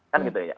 kan gitu ya